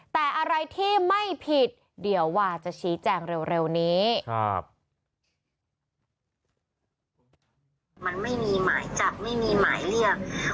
แต่อะไรที่ไม่ผิดเดี๋ยววาจะชี้แจงเร็วนี้